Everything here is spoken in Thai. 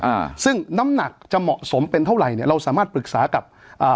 อ่าซึ่งน้ำหนักจะเหมาะสมเป็นเท่าไหร่เนี้ยเราสามารถปรึกษากับอ่า